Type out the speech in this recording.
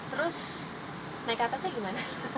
terus naik ke atasnya gimana